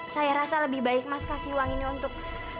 saya rasa lebih baik mas kasih uang ini untuk